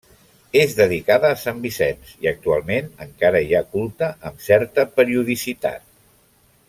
És dedicada a Sant Vicenç i actualment encara hi ha culte amb certa periodicitat.